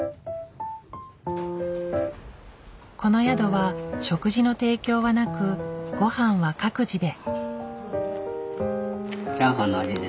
この宿は食事の提供はなくごはんは各自で。